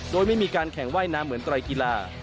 โดยไม่มีการแข่งว่ายน้ำเหมือนไตรกีฬา